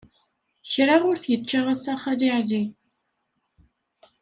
Kra ur t-yečča assa Xali Ɛli.